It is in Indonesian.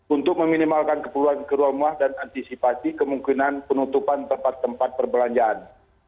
untuk meminimalkan keperluan ke rumah dan antisipasi kemungkinan penutupan tempat tempat perbelanjaan